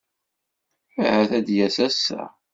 Ahat ad d-yas ass-a.